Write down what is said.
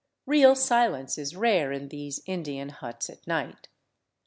Real silence is rare in these Indian huts at night.